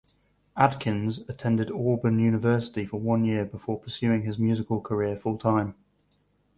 Adkins attended Auburn University for one year before pursuing his musical career full time.